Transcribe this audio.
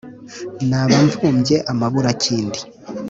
Naba mvumbye amaburakindi,